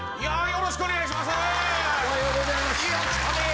よろしくお願いします。